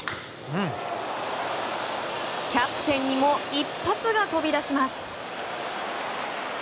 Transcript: キャプテンにも一発が飛び出します。